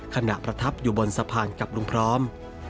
ขณะประทับอยู่บนสะพานกับลุงพร้อม